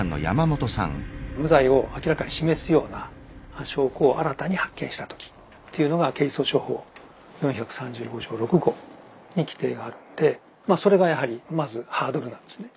無罪を明らかに示すような証拠を新たに発見したときっていうのが刑事訴訟法４３５条６号に規定があるのでまあそれがやはりまずハードルなんですね。